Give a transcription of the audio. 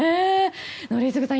宜嗣さん